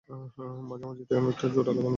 মাঝামাঝিতে অনেকটা জোড়া লাগানোর মতো।